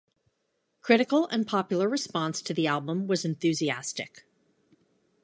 Critical and popular response to the album was enthusiastic.